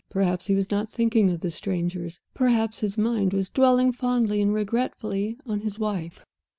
Perhaps he was not thinking of the strangers; perhaps his mind was dwelling fondly and regretfully on his wife?